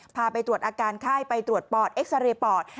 พาไปตรวจอาการไข้ไปตรวจปอดเอ็กซาเรย์ปอด